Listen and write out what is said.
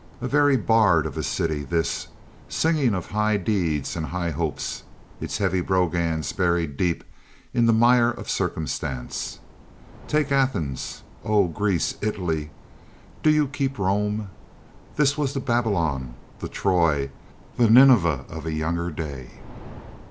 A very bard of a city this, singing of high deeds and high hopes, its heavy brogans buried deep in the mire of circumstance. Take Athens, oh, Greece! Italy, do you keep Rome! This was the Babylon, the Troy, the Nineveh of a younger day.